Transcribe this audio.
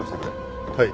はい。